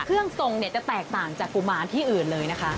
เครื่องทรงเนี่ยจะแตกต่างจากกุมารที่อื่นเลยนะคะ